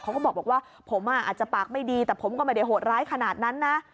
เขาก็บอกว่าผมอาจจะปากไม่ดีแต่ผมก็ไม่ได้โหดร้ายขนาดนั้นนะ